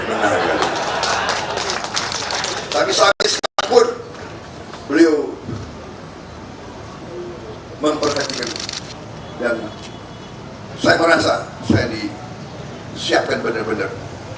menarik tapi sampai sekalipun beliau memperhatikan dan saya merasa jadi siapkan bener bener